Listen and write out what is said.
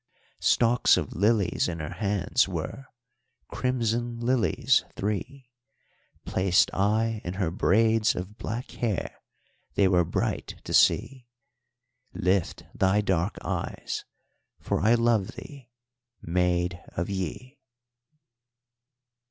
Stalks of lilies in her hands were: Crimson lilies three, Placed I in her braids of black hair They were bright to see! Lift thy dark eyes, for I love thee, Maid of Yí!